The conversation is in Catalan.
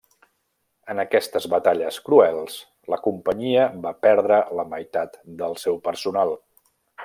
En aquestes batalles cruels la companyia va perdre la meitat del seu personal.